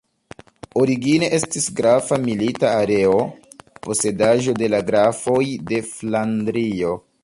Origine estis grafa milita areo, posedaĵo de la grafoj de Flandrio.